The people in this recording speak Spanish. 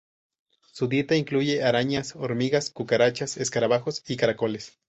Su dieta incluye arañas, hormigas, cucarachas, escarabajos y caracoles.